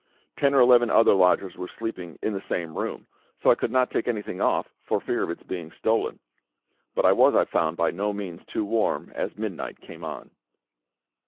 Ten or eleven other lodgers were sleeping in the same room, so I could not take anything off, for fear of its being stolen; but I was, I found, by no means too warm as midnight came on.